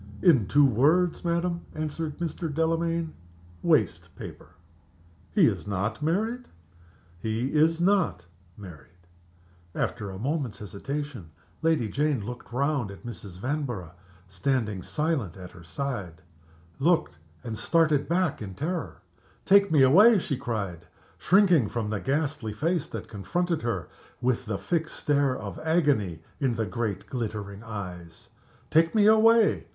"In two words, madam," answered Mr. Delamayn; "waste paper." "He is not married?" "He is not married." After a moment's hesitation Lady Jane looked round at Mrs. Vanborough, standing silent at her side looked, and started back in terror. "Take me away!" she cried, shrinking from the ghastly face that confronted her with the fixed stare of agony in the great, glittering eyes. "Take me away!